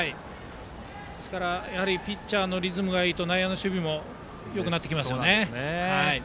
ですからピッチャーのリズムがいいと内野の守備もよくなりますね。